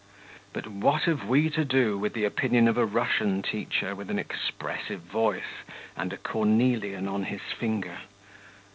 But what have we to do with the opinion of a Russian teacher, with an expressive voice and a cornelian on his finger?